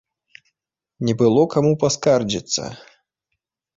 Не было каму паскардзіцца.